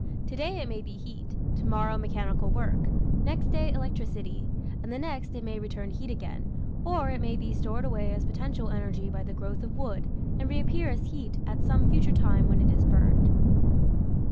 To day it may be heat, to morrow mechanical work, next day electricity, and the next it may return to heat again, or it may be stored away as potential energy by the growth of wood and reappear as heat at some future time when it is burned.